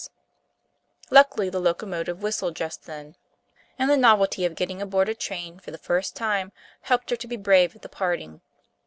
[Illustration: WHERE JOYCE LIVED] Luckily the locomotive whistled just then, and the novelty of getting aboard a train for the first time, helped her to be brave at the parting.